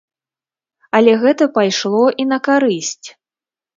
Але гэта пайшло і на карысць.